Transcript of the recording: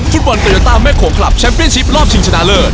โตโยต้าแม่โขคลับแชมเปียนชิปรอบชิงชนะเลิศ